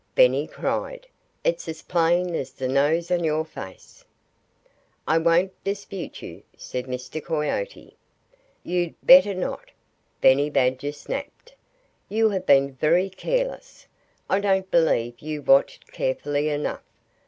Benny cried. "It's as plain as the nose on your face." "I won't dispute you," said Mr. Coyote. "You'd better not!" Benny Badger snapped. "You have been very careless. I don't believe you watched carefully enough.